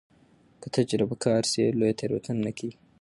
که تجربه تکرار سي، لویه تېروتنه نه کېږي.